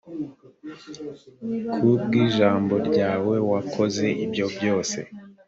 ku bw ijambo ryawe wakoze ibyo byose